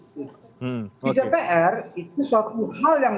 di dpr itu suatu hal yang